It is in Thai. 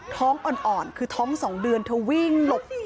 ท้องอ่อนคือท้อง๒เดือนเธอวิ่งหลบ